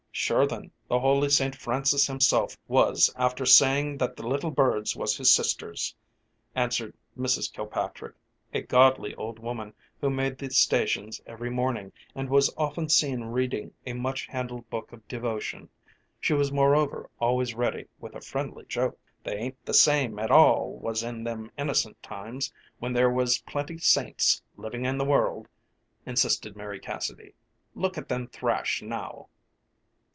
"Sure then, the holy Saint Francis himself was after saying that the little birds was his sisters," answered Mrs. Kilpatrick, a godly old woman who made the stations every morning, and was often seen reading a much handled book of devotion. She was moreover always ready with a friendly joke. "They ain't the same at all was in them innocent times, when there was plenty saints living in the world," insisted Mary Cassidy. "Look at them thrash, now!"